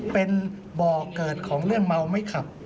เป็นบ่อเกิดของเรื่องเมาไม่ขับ